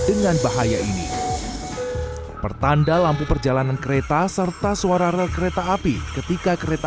dengan bahaya ini pertanda lampu perjalanan kereta serta suara rel kereta api ketika kereta